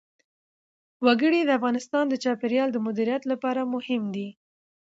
وګړي د افغانستان د چاپیریال د مدیریت لپاره مهم دي.